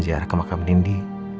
ziarah ke makam nindi